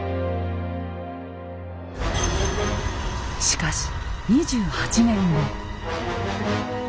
しかし２８年後。